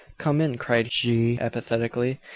"Come in," cried she, apathetically.